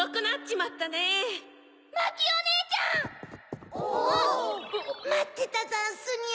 まってたざんすにゃ。